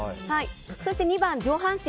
そして２番の上半身。